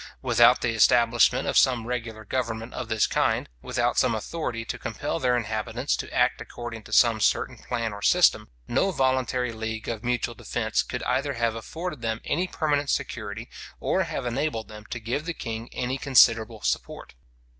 Without the establishment of some regular government of this kind, without some authority to compel their inhabitants to act according to some certain plan or system, no voluntary league of mutual defence could either have afforded them any permanent security, or have enabled them to give the king any considerable support.